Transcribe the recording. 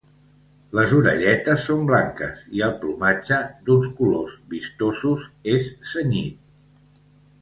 Les orelletes són blanques i el plomatge, d'uns colors vistosos, és cenyit.